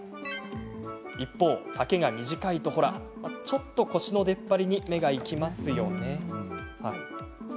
一方、丈が短いとちょっと腰の出っ張りに目がいきますよね。